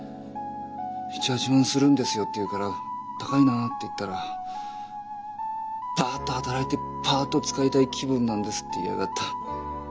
「７８万するんですよ」って言うから「高いなあ」って言ったら「パッと働いてパッと使いたい気分なんです」って言いやがった。